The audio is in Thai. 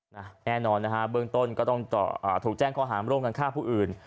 แน่นอนนะฮะเบื้องต้นก็ต้องถูกแจ้งข้อหามร่วมกันฆ่าผู้อื่น